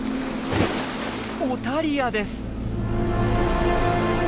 オタリアです！